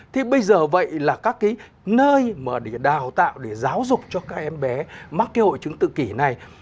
thế bây giờ vậy là các cái nơi mà để đào tạo để giáo dục cho các em bé mắc cái hội chứng tự kỷ này